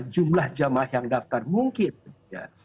jumlah jamaah yang daftar mungkin ya